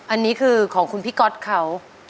อันนี้คือของคุณพี่ก๊อตเขา